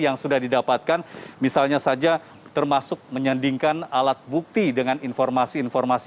yang sudah didapatkan misalnya saja termasuk menyandingkan alat bukti dengan informasi informasi